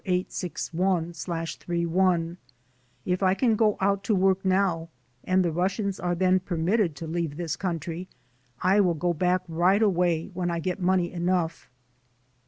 54861/31) : "If I can go out to work now and the Russians are then permitted to leave this country, I will go back right away when I get money enough."